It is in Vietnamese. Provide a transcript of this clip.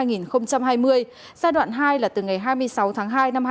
giai đoạn hai là từ ngày hai mươi sáu tháng hai năm hai nghìn hai mươi